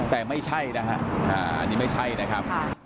แต่ไม่ใช่นะฮะอันนี้ไม่ใช่นะครับ